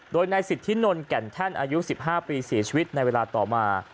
โดยนายสิทธินนท์แก่นแท่นอายุ๑๕ปีเสียชีวิตในเวลาต่อมา